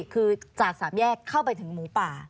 คือจากสามแยกเข้าไปถึงหมูป่า